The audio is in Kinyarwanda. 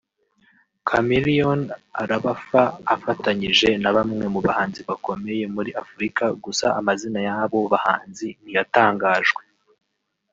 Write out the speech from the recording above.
Chameleone arabafa afatanyije na bamwe mu bahanzi bakomeye muri Afurika gusa amazina yabo bahanzi ntiyatangajwe